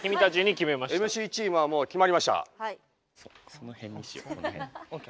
その辺にしよう。ＯＫ。